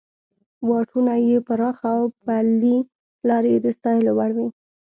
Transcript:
واټونه یې پراخه او پلې لارې یې د ستایلو وړ وې.